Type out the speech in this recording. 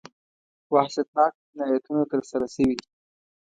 وحشتناک جنایتونه ترسره شوي.